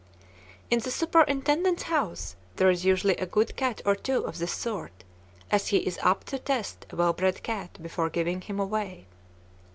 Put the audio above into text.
In the superintendent's house there is usually a good cat or two of this sort, as he is apt to test a well bred cat before giving him away.